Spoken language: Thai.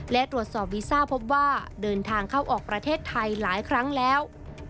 และตรวจสอบวีซ่าพบว่าเดินทางเข้าออกประเทศไทยหลายครั้งแล้ว